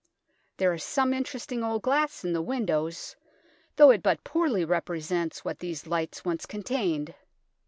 There is some interesting old glass in the windows, though it but poorly represents what these lights once contained.